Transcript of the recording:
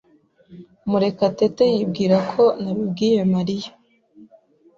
Murekatete yibwira ko nabibwiye Mariya.